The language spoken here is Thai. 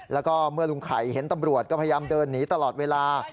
แล้วก็เมื่อลุงไข่เห็นตำรวจก็พยายามเดินหนีตลอดเวลา